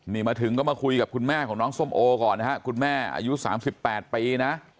นี่มาถึงก็มาคุยกับคุณแม่ของน้องส้มโอก่อนนะฮะคุณแม่อายุ๓๘ปีนะ